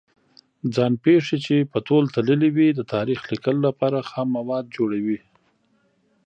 ځان پېښې چې په تول تللې وي د تاریخ لیکلو لپاره خام مواد جوړوي.